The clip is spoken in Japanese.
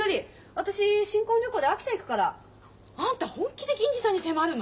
私新婚旅行で秋田行くから。あんた本気で銀次さんに迫るの！？